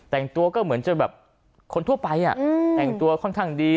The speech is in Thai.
แต่งตัวก็เหมือนจะแบบคนทั่วไปแต่งตัวค่อนข้างดี